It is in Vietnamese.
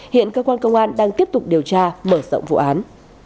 hiện cơ quan công an đang tiếp tục điều tra mở rộng vụ án